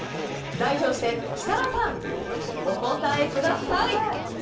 代表して設楽さん、お答えください。